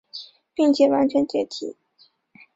并且完全解体。